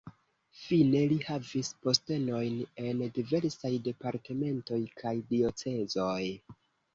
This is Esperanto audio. Fine li havis postenojn en diversaj departementoj kaj diocezoj.